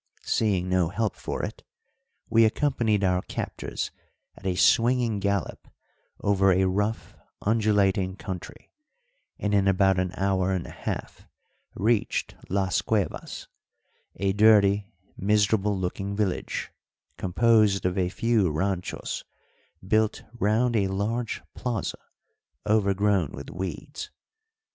Seeing no help for it, we accompanied our captors at a swinging gallop over a rough, undulating country, and in about an hour and a half reached Las Cuevas, a dirty, miserable looking village, composed of a few ranchos built round a large plaza overgrown with weeds.